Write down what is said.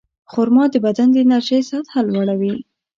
خرما د بدن د انرژۍ سطحه لوړوي.